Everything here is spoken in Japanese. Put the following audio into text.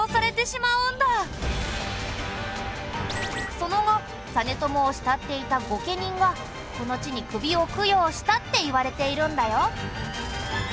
その後実朝を慕っていた御家人がこの地に首を供養したっていわれているんだよ。